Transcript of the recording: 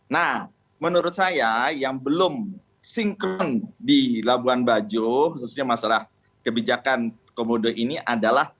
nah menurut saya yang belum sinkron di labuan bajo khususnya masalah kebijakan komodo ini adalah